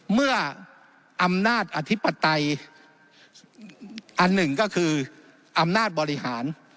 เมื่ออำนาจอธิปไตยอันหนึ่งก็คืออำนาจบริหาร